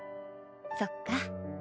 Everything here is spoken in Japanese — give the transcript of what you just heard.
そっか。